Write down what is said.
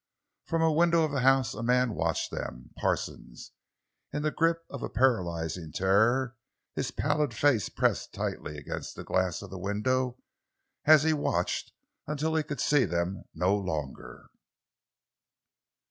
From a window of the house a man watched them—Parsons—in the grip of a paralyzing terror, his pallid face pressed tightly against the glass of the window as he watched until he could see them no longer.